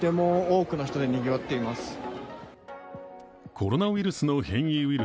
コロナウイルスの変異ウイル